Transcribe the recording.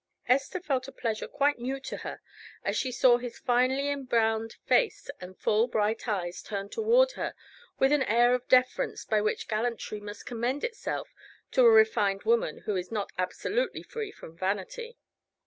Esther felt a pleasure quite new to her as she saw his finely embrowned face and full bright eyes turned toward her with an air of deference by which gallantry must commend itself to a refined woman who is not absolutely free from vanity.